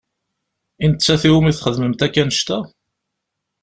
I nettat i wumi txedmemt akk annect-a?